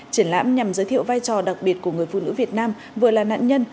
triển lãm nhằm giới thiệu vai trò đặc biệt của người phụ nữ việt nam vừa là nạn nhân